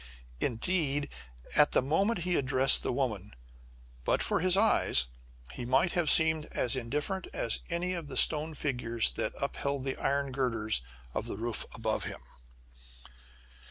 Indeed, at the moment he addressed the woman, but for his eyes, he might have seemed as indifferent as any of the stone figures that upheld the iron girders of the roof above him!